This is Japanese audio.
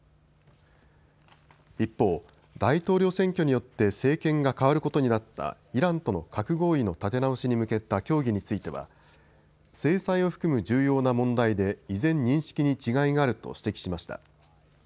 一方、大統領選挙によって政権が代わることになったイランとの核合意の立て直しに向けた協議については制裁を含む重要な問題で依然、認識に違いがあると指摘しました。